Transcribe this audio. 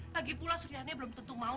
lagipula suriani belum tentu mau